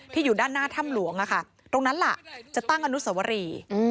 อยู่ด้านหน้าถ้ำหลวงตรงนั้นล่ะจะตั้งอนุสวรี